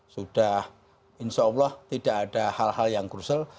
sudah insya allah tidak ada hal hal yang krusial